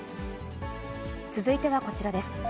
続いてはこちらです。